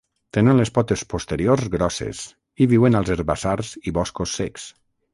Tenen les potes posteriors grosses i viuen als herbassars i boscos secs.